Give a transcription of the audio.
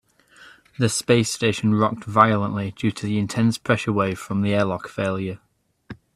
The space station rocked violently due to the intense pressure wave from the airlock failure.